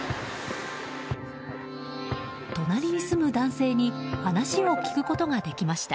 隣に住む男性に話を聞くことができました。